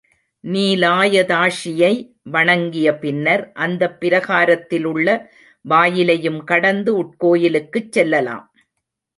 நீலாயதாக்ஷியை வணங்கிய பின்னர் அந்தப் பிரகாரத்திலுள்ள வாயிலையும் கடந்து உட்கோயிலுக்குச் செல்லலாம்.